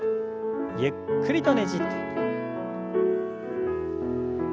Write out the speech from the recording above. ゆっくりとねじって。